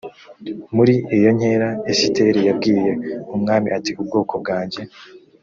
muri iyo nkera esiteri yabwiye umwami ati ubwoko bwanjye